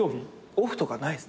オフとかないっす。